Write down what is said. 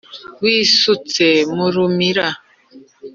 wisutse mu rumira